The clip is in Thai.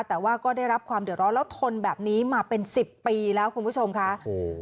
แต่ว่าก็ได้รับความเดือดร้อนแล้วทนแบบนี้มาเป็นสิบปีแล้วคุณผู้ชมค่ะโอ้โห